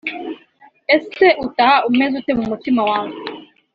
Ese utaha umeze ute mu mutima wawe